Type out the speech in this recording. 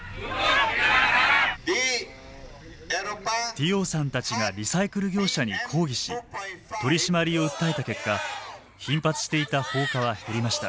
ティオーさんたちがリサイクル業者に抗議し取締りを訴えた結果頻発していた放火は減りました。